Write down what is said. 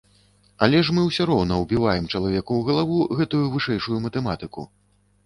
Але мы ж усё роўна ўбіваем чалавеку ў галаву гэтую вышэйшую матэматыку.